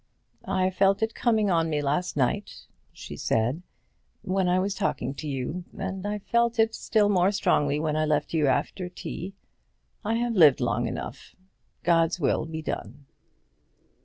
"I felt it coming on me last night," she said, "when I was talking to you; and I felt it still more strongly when I left you after tea. I have lived long enough. God's will be done."